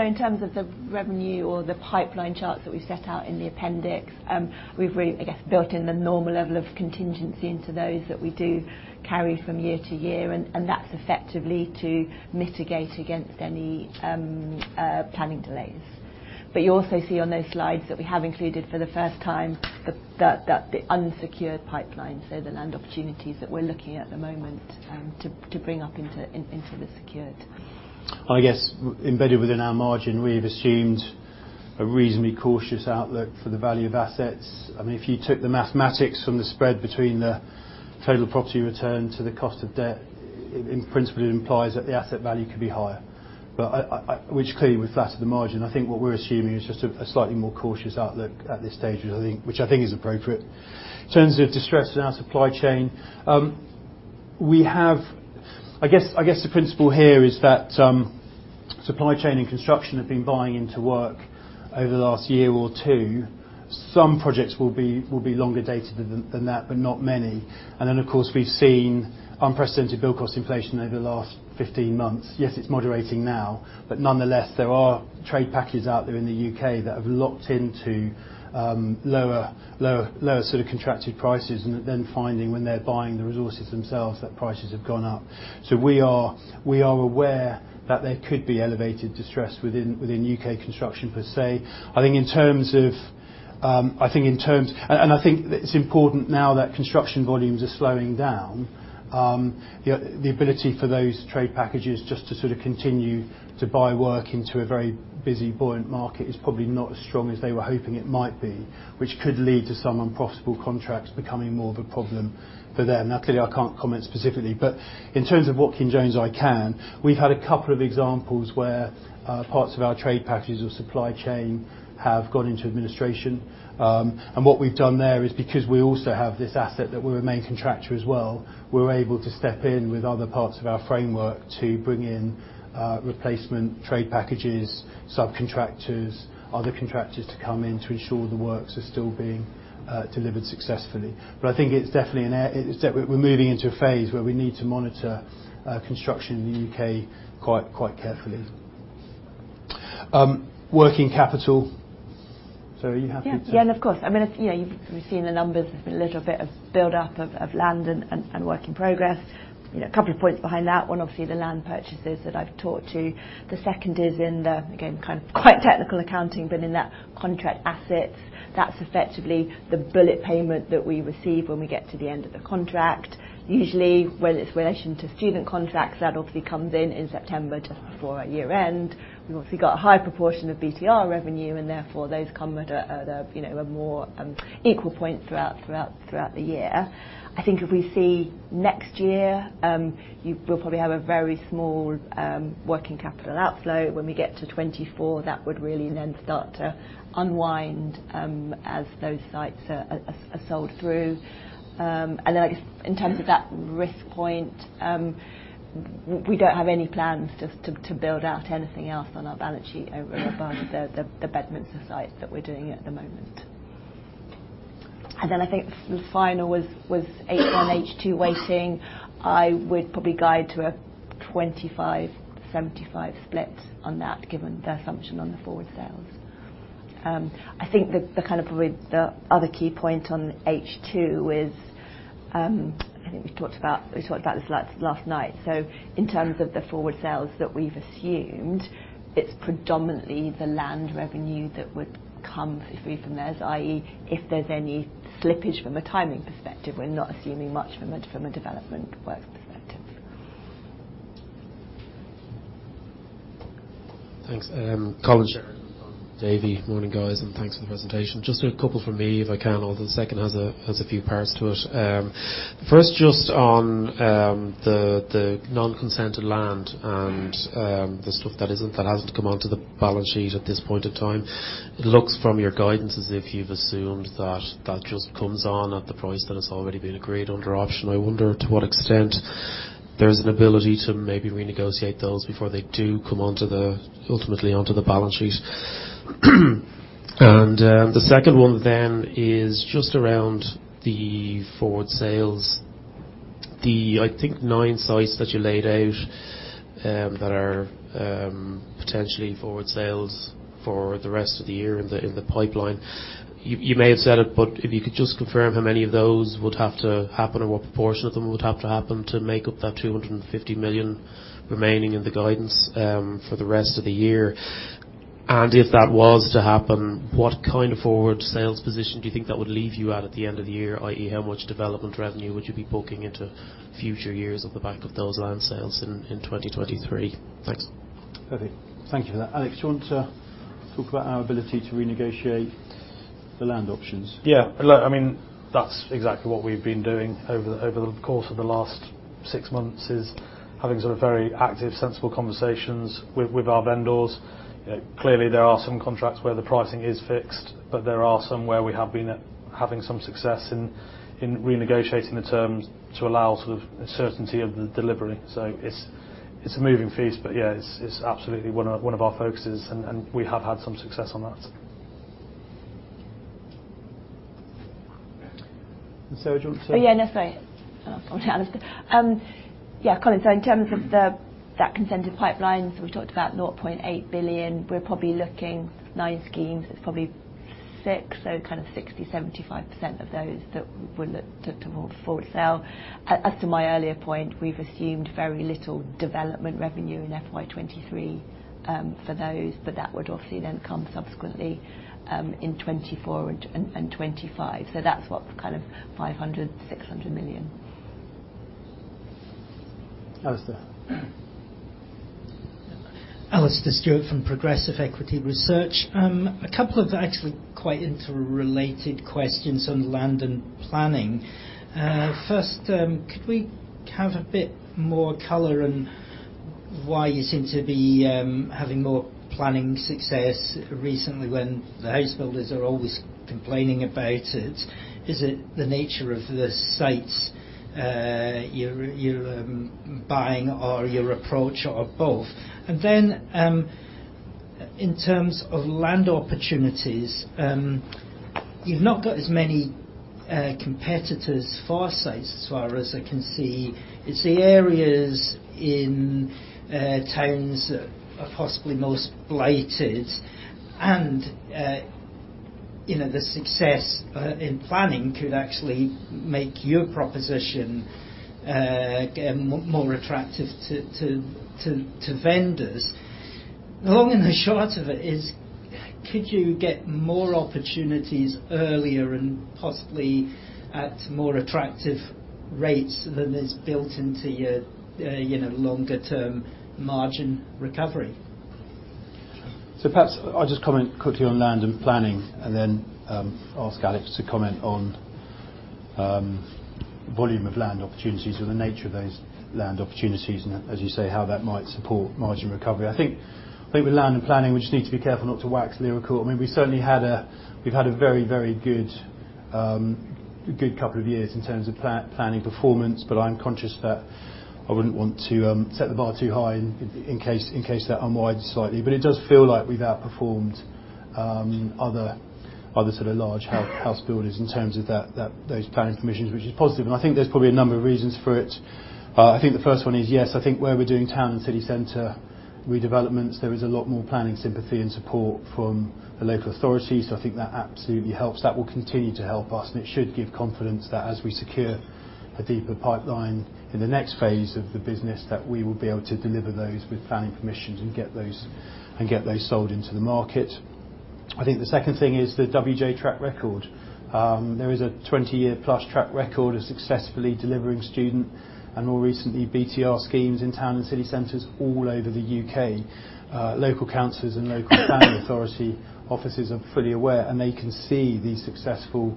In terms of the revenue or the pipeline charts that we've set out in the appendix, we've really, I guess, built in the normal level of contingency into those that we do carry from year to year, and that's effectively to mitigate against any planning delays. You also see on those slides that we have included for the first time the unsecured pipeline, so the land opportunities that we're looking at at the moment, to bring up into the secured. I guess embedded within our margin, we've assumed a reasonably cautious outlook for the value of assets. I mean, if you took the mathematics from the spread between the total property return to the cost of debt, in principle, it implies that the asset value could be higher. Which clearly would flatter the margin. I think what we're assuming is just a slightly more cautious outlook at this stage, which I think is appropriate. In terms of distress in our supply chain, I guess the principle here is that supply chain and construction have been buying into work over the last year or two. Some projects will be longer dated than that, but not many. Of course, we've seen unprecedented build cost inflation over the last 15 months. Yes, it's moderating now. Nonetheless, there are trade packages out there in the UK that have locked into, lower, lower sort of contracted prices and are then finding when they're buying the resources themselves that prices have gone up. We are aware that there could be elevated distress within UK construction, per se. I think in terms of. I think that it's important now that construction volumes are slowing down, the ability for those trade packages just to sort of continue to buy work into a very busy, buoyant market is probably not as strong as they were hoping it might be, which could lead to some unprofitable contracts becoming more of a problem for them. Now, clearly, I can't comment specifically, but in terms of what Watkin Jones I can, we've had a couple of examples where parts of our trade packages or supply chain have gone into administration. What we've done there is because we also have this asset that we're a main contractor as well, we're able to step in with other parts of our framework to bring in, replacement trade packages, subcontractors, other contractors to come in to ensure the works are still being, delivered successfully. I think it's definitely we're moving into a phase where we need to monitor, construction in the UK quite carefully. Working capital. Sarah, are you happy to- Yeah. Yeah, of course. I mean, it's, you know, we've seen the numbers. There's been a little bit of build-up of land and work in progress. You know, a couple of points behind that. One, obviously the land purchases that I've talked to. The second is in the, again, kind of quite technical accounting, but in that contract assets, that's effectively the bullet payment that we receive when we get to the end of the contract. Usually, whether it's in relation to student contracts, that obviously comes in in September just before our year end. We've obviously got a high proportion of BTR revenue, and therefore those come at a, you know, a more equal point throughout the year. I think if we see next year, we'll probably have a very small working capital outflow. When we get to 2024, that would really then start to unwind as those sites are sold through. I guess in terms of that risk point, we don't have any plans to build out anything else on our balance sheet over and above the Bedminster site that we're doing at the moment. I think the final was H1, H2 weighting. I would probably guide to a 25, 75 split on that, given the assumption on the forward sales. I think the kind of probably the other key point on H2 is, I think we talked about this last night. In terms of the forward sales that we've assumed, it's predominantly the land revenue that would come through from those, i.e., if there's any slippage from a timing perspective. We're not assuming much from a development work perspective. Thanks. Colin Sheridan from Davy. Morning, guys, and thanks for the presentation. Just a couple from me, if I can, although the second has a few parts to it. First, just on the non-consented land and the stuff that isn't, that hasn't come onto the balance sheet at this point in time. It looks from your guidance as if you've assumed that that just comes on at the price that has already been agreed under option. I wonder to what extent there's an ability to maybe renegotiate those before they do come onto the, ultimately onto the balance sheet. The second one then is just around the forward sales. The, I think, 9 sites that you laid out, that are potentially forward sales for the rest of the year in the pipeline. You may have said it, but if you could just confirm how many of those would have to happen or what proportion of them would have to happen to make up that 250 million remaining in the guidance for the rest of the year. If that was to happen, what kind of forward sales position do you think that would leave you at the end of the year? I.e., how much development revenue would you be booking into future years off the back of those land sales in 2023? Thanks. Perfect. Thank you for that. Alex, do you want to talk about our ability to renegotiate the land options? Yeah. Look, I mean, that's exactly what we've been doing over the course of the last 6 months, is having sort of very active, sensible conversations with our vendors. You know, clearly there are some contracts where the pricing is fixed, but there are some where we have been having some success in renegotiating the terms to allow sort of a certainty of the delivery. It's a moving feast, but yeah, it's absolutely one of our focuses, and we have had some success on that. Sarah, do you want to... Oh, yeah, no sorry. I was pointing at Alistair. Colin, in terms of the, that consented pipeline, we talked about 0.8 billion. We're probably looking 9 schemes, it's probably 6, so kind of 60%-75% of those that we'll look to more forward sale. As to my earlier point, we've assumed very little development revenue in FY23 for those, but that would obviously then come subsequently in 2024 and 2025. That's what kind of 500 million-600 million. Alistair. Alastair Stewart from Progressive Equity Research. A couple of actually quite interrelated questions on land and planning. First, could we have a bit more color on why you seem to be having more planning success recently when the house builders are always complaining about it? Is it the nature of the sites you're buying or your approach or both? Then, in terms of land opportunities, you've not got as many competitors for sites as far as I can see. It's the areas in towns that are possibly most blighted, and, you know, the success in planning could actually make your proposition more attractive to vendors. The long and the short of it is, could you get more opportunities earlier and possibly at more attractive rates than is built into your, you know, longer term margin recovery? Perhaps I'll just comment quickly on land and planning and then ask Alex to comment on volume of land opportunities or the nature of those land opportunities and as you say, how that might support margin recovery. I think with land and planning, we just need to be careful not to wax lyrical. I mean, we certainly we've had a very good a good couple of years in terms of planning performance, but I'm conscious that I wouldn't want to set the bar too high in case that unwinds slightly. It does feel like we've outperformed other sort of large house builders in terms of those planning commissions, which is positive. I think there's probably a number of reasons for it. I think the first one is, yes, I think where we're doing town and city center redevelopments, there is a lot more planning sympathy and support from the local authorities. I think that absolutely helps. That will continue to help us, and it should give confidence that as we secure a deeper pipeline in the next phase of the business, that we will be able to deliver those with planning permissions and get those sold into the market. I think the second thing is the WJ track record. There is a 20-year-plus track record of successfully delivering student and more recently, BTR schemes in town and city centers all over the U.K. Local councils and local planning authority offices are fully aware, and they can see these successful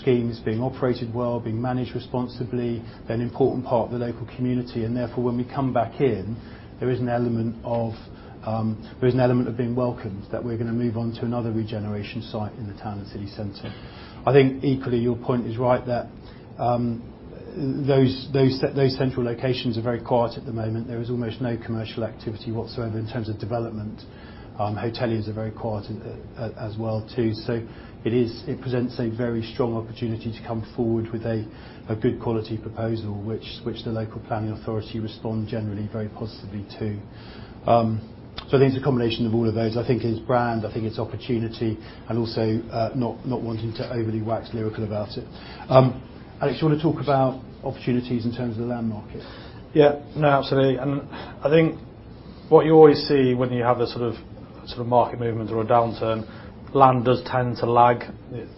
schemes being operated well, being managed responsibly, an important part of the local community. Therefore, when we come back in, there is an element of being welcomed, that we're gonna move on to another regeneration site in the town and city center. I think equally, your point is right that those central locations are very quiet at the moment. There is almost no commercial activity whatsoever in terms of development. Hoteliers are very quiet as well too. It presents a very strong opportunity to come forward with a good quality proposal, which the local planning authority respond generally very positively to. I think it's a combination of all of those. I think it's brand, I think it's opportunity, and also, not wanting to overly wax lyrical about it. Alex, you want to talk about opportunities in terms of the land market? Yeah, no, absolutely. I think what you always see when you have a sort of market movement or a downturn, land does tend to lag.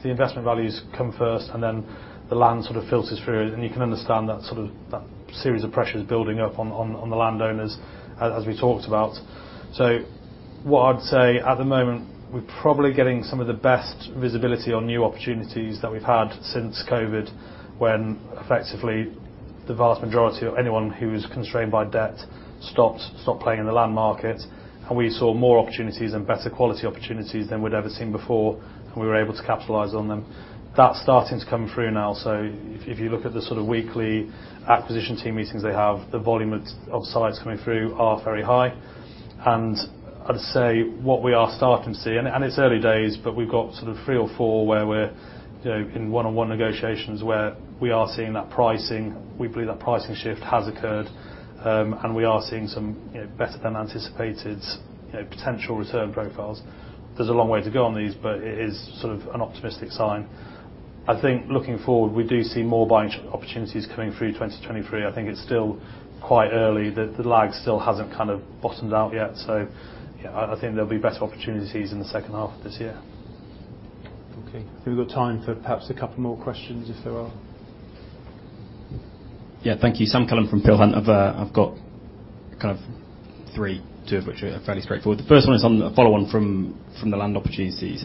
The investment values come first, and then the land sort of filters through. You can understand that sort of, that series of pressures building up on the landowners, as we talked about. What I'd say, at the moment, we're probably getting some of the best visibility on new opportunities that we've had since COVID, when effectively the vast majority of anyone who is constrained by debt stopped playing in the land market. We saw more opportunities and better quality opportunities than we'd ever seen before, and we were able to capitalize on them. That's starting to come through now. If you look at the sort of weekly acquisition team meetings they have, the volume of sites coming through are very high. I'd say what we are starting to see, and it's early days, but we've got sort of 3 or 4 where we're, you know, in one-on-one negotiations where we are seeing that pricing. We believe that pricing shift has occurred. We are seeing some, you know, better than anticipated, you know, potential return profiles. There's a long way to go on these, but it is sort of an optimistic sign. I think looking forward, we do see more buying opportunities coming through 2023. I think it's still quite early. The lag still hasn't kind of bottomed out yet. Yeah, I think there'll be better opportunities in the second half of this year. Okay. Think we've got time for perhaps a couple more questions if there are. Yeah. Thank you. Sam Cullen from Peel Hunt. I've got kind of 3, 2 of which are fairly straightforward. The first one is on a follow on from the land opportunities.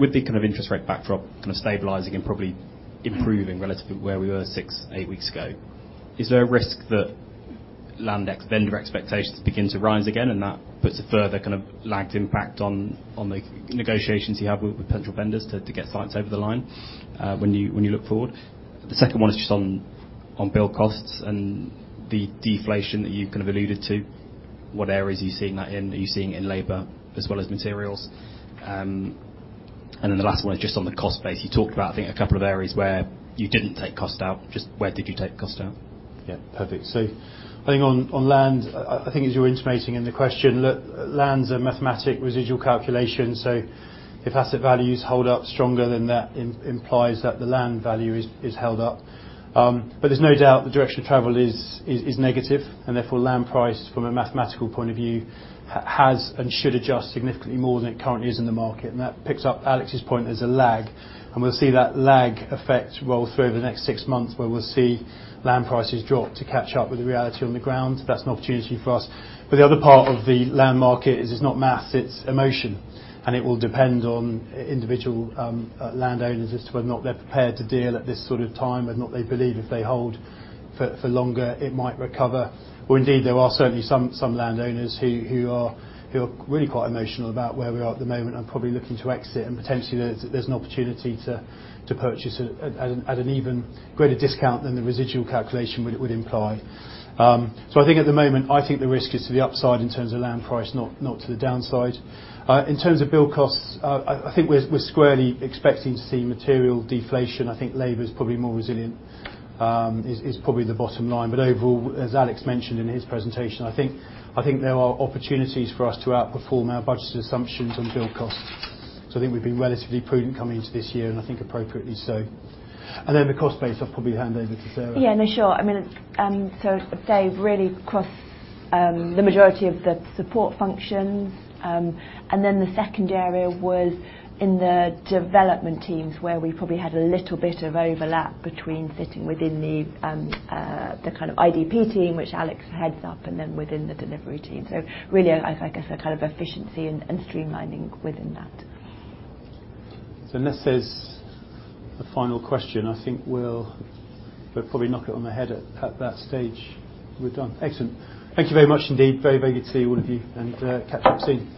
With the kind of interest rate backdrop kind of stabilizing and probably improving relatively where we were 6, 8 weeks ago, is there a risk that land ex-vendor expectations begin to rise again and that puts a further kind of lagged impact on the negotiations you have with potential vendors to get sites over the line when you look forward? The second one is just on build costs and the deflation that you kind of alluded to. What areas are you seeing that in? Are you seeing it in labor as well as materials? Then the last one is just on the cost base. You talked about, I think, a couple of areas where you didn't take cost out. Just where did you take cost out? Yeah. Perfect. I think on land, I think as you're intimating in the question, look, land's a mathematic residual calculation. If asset values hold up stronger, then that implies that the land value is held up. There's no doubt the direction of travel is negative, and therefore, land price from a mathematical point of view has and should adjust significantly more than it currently is in the market. That picks up Alex's point. There's a lag, and we'll see that lag effect roll through over the next six months where we'll see land prices drop to catch up with the reality on the ground. That's an opportunity for us. The other part of the land market is it's not math, it's emotion, and it will depend on individual landowners as to whether or not they're prepared to deal at this sort of time, and not they believe if they hold for longer, it might recover. Indeed, there are certainly some landowners who are really quite emotional about where we are at the moment and probably looking to exit, and potentially there's an opportunity to purchase at an even greater discount than the residual calculation would imply. I think at the moment, I think the risk is to the upside in terms of land price, not to the downside. In terms of build costs, I think we're squarely expecting to see material deflation. I think labor is probably more resilient, is probably the bottom line. Overall, as Alex mentioned in his presentation, I think there are opportunities for us to outperform our budget assumptions on build cost. I think we've been relatively prudent coming into this year, and I think appropriately so. The cost base, I'll probably hand over to Sarah. Yeah. No, sure. I mean, Dave, really across the majority of the support functions. The second area was in the development teams where we probably had alittle bit of overlap between sitting within the kind of IDP team, which Alex heads up, and then within the delivery team. Really, I guess a kind of efficiency and streamlining within that. Unless there's a final question, I think we'll probably knock it on the head at that stage. We're done. Excellent. Thank you very much indeed. Very, very good to see all of you and catch up soon.